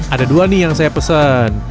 ada dua nih yang saya pesan